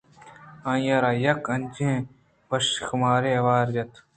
آئیءَ را یک اجبیں وشی ءُخمارےءَ آوار جت